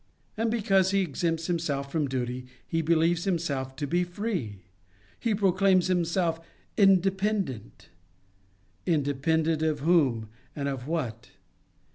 "* And because he exempts himself from duty, he believes himself to be free! He proclaims himself independent! Independent of whom, and of .what?